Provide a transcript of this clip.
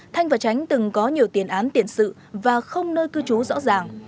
thanh và tránh từng có nhiều tiền án tiền sự và không nơi cư trú rõ ràng